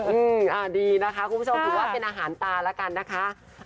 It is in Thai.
อืมอ่าดีนะคะคุณผู้ชมถือว่าเป็นอาหารตาแล้วกันนะคะ